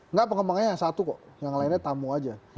nggak pengembangannya yang satu kok yang lainnya tamu aja